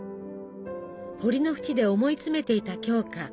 堀の縁で思い詰めていた鏡花。